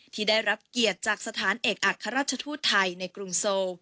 ที่ได้รับเกียรติจากสถานเอกอัครราชทูตไทยในกรุงโซล